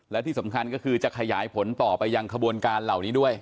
และที่สำคัญก็คือจะขยายผลต่อไปยังขบวนการเหล่านี้ด้วย